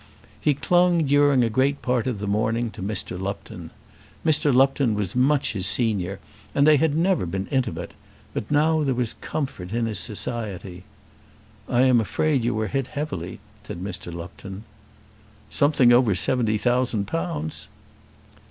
He clung during great part of the morning to Mr. Lupton. Mr. Lupton was much his senior and they had never been intimate; but now there was comfort in his society. "I am afraid you are hit heavily," said Mr. Lupton. "Something over seventy thousand pounds!"